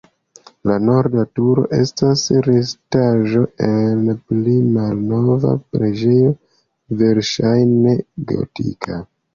La norda turo estas restaĵo el pli malnova preĝejo, verŝajne gotika.